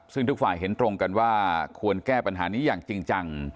ซึ่งทุกฝ่ายเห็นตรงกันว่าควรแก้ปัญหานี้อย่างจริงจัง